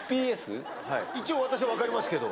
一応私分かりますけど。